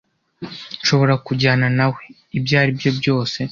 "Nshobora kujyana nawe?" "Ibyo ari byo byose."